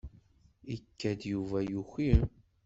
Ikad-d Yuba yuki.